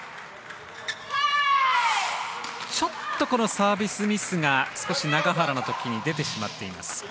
ちょっとサービスミスが永原の時に出てしまっています。